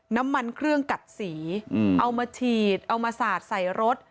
น้ำมันเครื่องกัดสีเอามาฉีดเอามาสาดใส่รถ